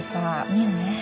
いいよね。